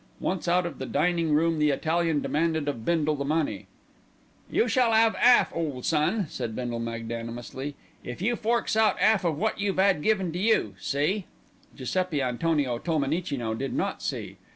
Once out of the dining room the Italian demanded of Bindle the money. "You shall 'ave 'alf, ole son," said Bindle magnanimously, "if you forks out 'alf of wot you've 'ad given you, see?" Giuseppi Antonio Tolmenicino did not see.